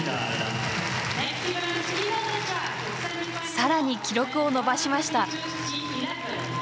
更に記録を伸ばしました。